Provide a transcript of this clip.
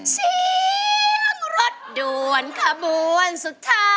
เสียงรถด่วนขบวนสุดท้าย